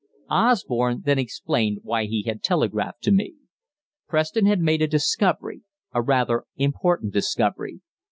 Osborne then explained why he had telegraphed to me. Preston had made a discovery a rather important discovery.